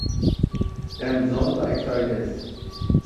Hemm bżonn ta' iktar nies.